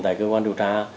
tại cơ quan điều tra